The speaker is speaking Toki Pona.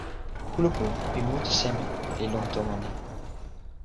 kulupu pi mute seme li lon tomo ni?